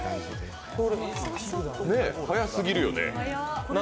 早すぎるよね。